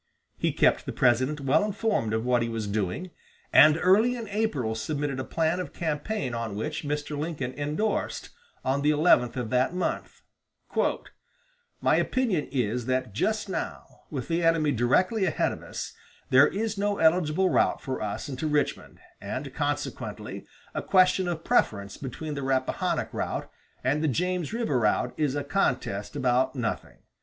He kept the President well informed of what he was doing, and early in April submitted a plan of campaign on which Mr. Lincoln indorsed, on the eleventh of that month: "My opinion is that just now, with the enemy directly ahead of us, there is no eligible route for us into Richmond; and consequently a question of preference between the Rappahannock route and the James River route is a contest about nothing.